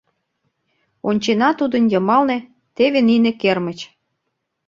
Ончена, тудын йымалне — теве нине кермыч.